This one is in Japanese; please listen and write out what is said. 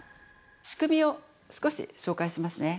仕組みを少し紹介しますね。